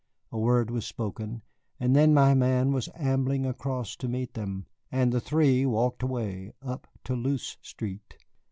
A word was spoken, and then my man was ambling across to meet them, and the three walked away up Toulouse Street.